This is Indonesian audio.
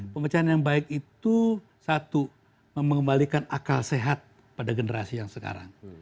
pemecahan yang baik itu satu mengembalikan akal sehat pada generasi yang sekarang